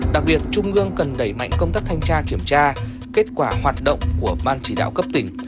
đặc biệt trung ương cần đẩy mạnh công tác thanh tra kiểm tra kết quả hoạt động của ban chỉ đạo cấp tỉnh